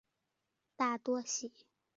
大多喜城曾经存在的一座连郭式平山城。